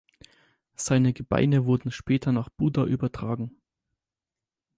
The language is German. Seine Gebeine wurden später nach Buda übertragen.